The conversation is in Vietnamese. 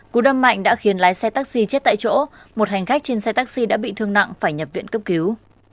cú đâm mạnh đã khiến lái xe taxi chết tại chỗ một hành khách trên xe taxi đã bị thương nặng phải nhập viện cấp cứu